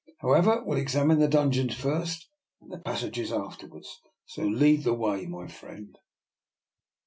However, we'll examine the dungeons first, and the passages afterwards. So lead the way, my friend."